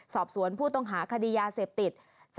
สอบสวนผู้ต้องหาคดียาเสพติด